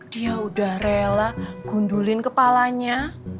dia udah rela gundulin kepalanya